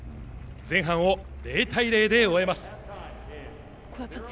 前半を０対０で終えます。